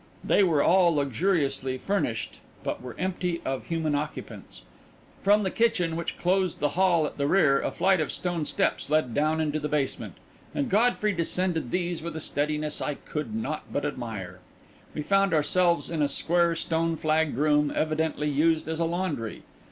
They were all luxuriously furnished, but were empty of human occupants. From the kitchen, which closed the hall at the rear, a flight of stone steps led down into the basement, and Godfrey descended these with a steadiness I could not but admire. We found ourselves in a square, stone flagged room, evidently used as a laundry.